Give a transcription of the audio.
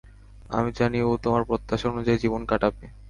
আমি জানি, ও তোমার প্রত্যাশা অনুযায়ী জীবন কাটাবে।